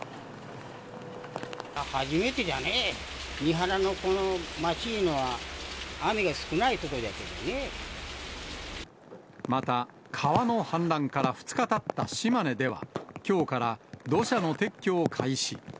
初めてじゃね、三原の町いうのは、また、川の氾濫から２日たった島根では、きょうから土砂の撤去を開始。